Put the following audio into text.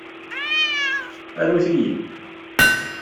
Arut-iyi-n!